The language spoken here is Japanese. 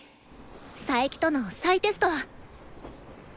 佐伯との再テスト。